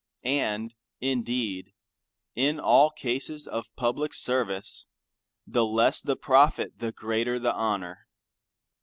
And indeed in all cases of public service the less the profit the greater the honor.